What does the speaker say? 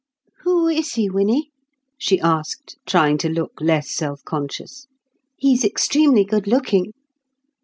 "Who is he, Winnie?" she asked, trying to look less self conscious. "He's extremely good looking."